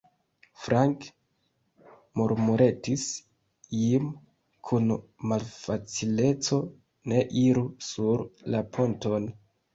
Frank, murmuretis Jim kun malfacileco, ne iru sur la ponton!